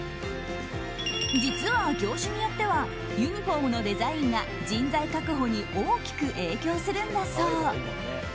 実は業種によってはユニホームのデザインが人材確保に大きく影響するんだそう。